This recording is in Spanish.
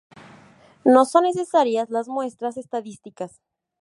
No son necesarias las muestras estadísticas.